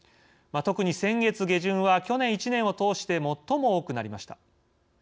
特に先月下旬は去年１年を通して最も多くなりました。